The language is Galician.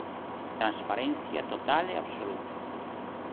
Transparencia total e absoluta.